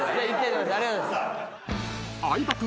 ［相葉君